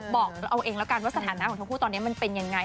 บอกเอาเองแล้วกันว่าสถานะของทั้งคู่ตอนนี้มันเป็นยังไง